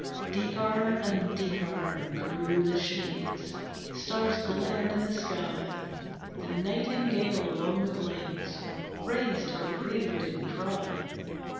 Deeper and deeper grew the shades, Stars glimmered in the sky, The nightingale along the glades Raised her preluding cry.